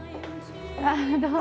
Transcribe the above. ああどうも。